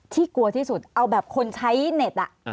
กลัวที่สุดเอาแบบคนใช้เน็ต